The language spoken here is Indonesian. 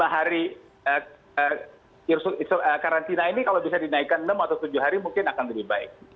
lima hari karantina ini kalau bisa dinaikkan enam atau tujuh hari mungkin akan lebih baik